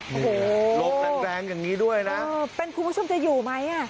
โหโหโรงแรงอย่างนี้ด้วยนะเป็นผู้ใจว่าจะอยู่ไหมอ่ะ